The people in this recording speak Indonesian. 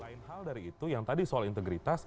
lain hal dari itu yang tadi soal integritas